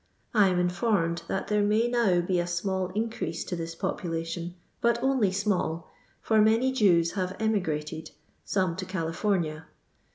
I am informed that there may now be a small increase to this popu lation, but only small, for many Jews have emi grated— some to California.